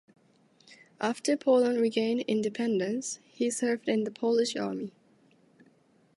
After Poland regained independence, he served in the Polish Army.